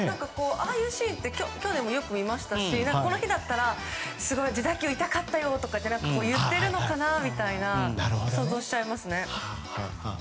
ああいうシーンって去年もよく見ましたしこの日だったらすごい自打球が痛かったよとか言ってるのかなみたいな想像しちゃいますね。